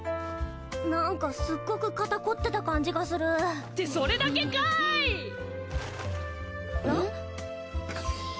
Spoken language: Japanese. なんかすっごく肩こってた感じがするってそれだけかいあははえ？